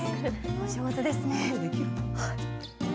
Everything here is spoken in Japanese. お上手ですね。